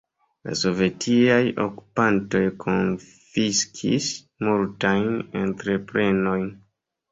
La sovetiaj okupantoj konfiskis multajn entreprenojn.